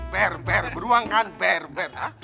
per per beruang kan per per